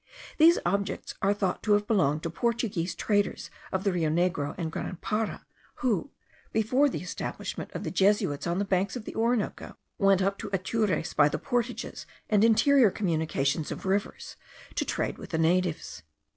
These objects are thought to have belonged to Portuguese traders of the Rio Negro and Grand Para, who, before the establishment of the Jesuits on the banks of the Orinoco, went up to Atures by the portages and interior communications of rivers, to trade with the natives.